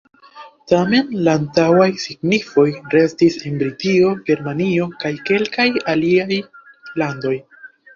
Tamen la antaŭaj signifoj restis en Britio, Germanio kaj kelkaj aliaj landoj.